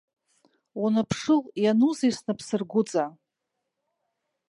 Уаныԥшыл, ианузеи снапсыргәыҵа?!